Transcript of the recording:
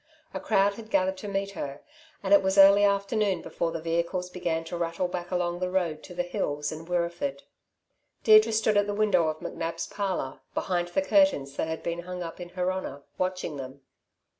A crowd had gathered to meet her, and it was early afternoon before the vehicles began to rattle back along the road to the hills and Wirreeford. Deirdre stood at the window of McNab's parlour, behind the curtains that had been hung up in her honour, watching them.